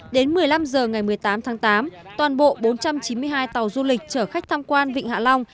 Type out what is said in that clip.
đến một mươi năm h ngày một mươi tám tháng tám toàn bộ bốn trăm chín mươi hai tàu du lịch chở khách tham quan vịnh hạ long